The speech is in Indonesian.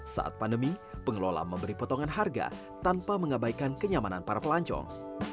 saat pandemi pengelola memberi potongan harga tanpa mengabaikan kenyamanan para pelancong